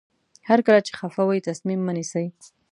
هر کله چې خفه وئ تصمیم مه نیسئ.